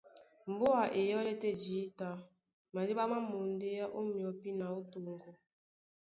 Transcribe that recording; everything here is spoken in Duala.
Mbùa e yɔ́lɛ́ tɛ́ jǐta, madíɓá má mondéá ó myɔpí na ó toŋgo.